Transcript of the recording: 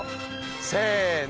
せの。